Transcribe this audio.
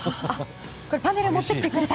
パネル、持ってきてくれた？